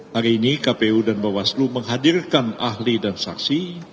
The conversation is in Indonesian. hari ini kpu dan bawaslu menghadirkan ahli dan saksi